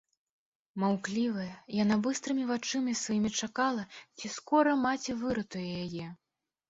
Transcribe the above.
Маўклівая, яна быстрымі вачыма сваімі чакала, ці скора маці выратуе яе.